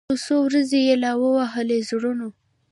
یو څو ورځي یې لا ووهل زورونه